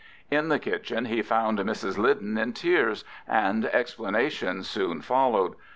In the kitchen he found Mrs Lyden in tears, and explanations soon followed.